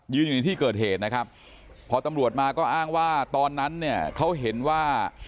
อยู่ในที่เกิดเหตุนะครับพอตำรวจมาก็อ้างว่าตอนนั้นเนี่ยเขาเห็นว่า